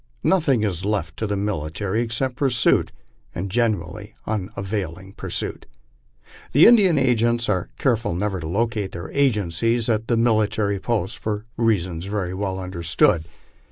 Nothing is left to the military except pursuit, and gener. ally unavailing pursuit. The Indian agents are careful never to locate their agencies at the mili tary posts, for reasons very well understood.